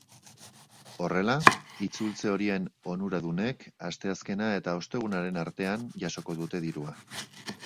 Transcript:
Horrela, itzultze horien onuradunek asteazkena eta ostegunaren artean jasoko dute dirua.